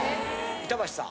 板橋さん